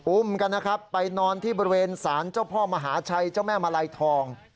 อุ้มกันนะครับไปนอนที่บริเวณศาลเจ้าพ่อมหาชัยเจ้าแม่มาลัยทอง